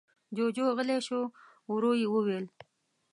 جُوجُو غلی شو. ورو يې وويل: